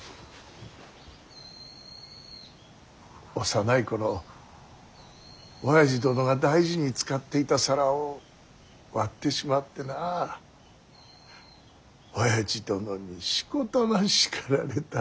幼い頃おやじ殿が大事に使っていた皿を割ってしまってなおやじ殿にしこたま叱られた。